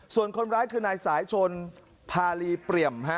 ส่วนคนร้ายคือนายสายชนพาลีเปรียม